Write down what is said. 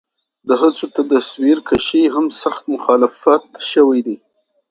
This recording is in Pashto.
د هڅو د تصويرکشۍ هم سخت مخالفت شوے دے